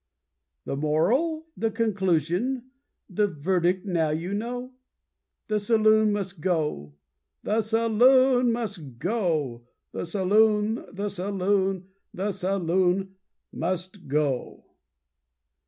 "The moral, The conclusion, The verdict now you know: 'The saloon must go, The saloon must go, The saloon, The saloon, The saloon, Must go.'"